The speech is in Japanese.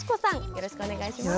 よろしくお願いします。